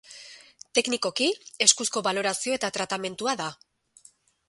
Teknikoki, eskuzko balorazio eta tratamendua da.